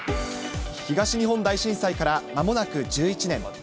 東日本大震災からまもなく１１年。